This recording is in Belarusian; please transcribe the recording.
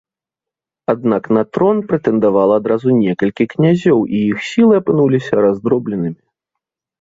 Аднак на трон прэтэндавала адразу некалькі князёў і іх сілы апынуліся раздробленымі.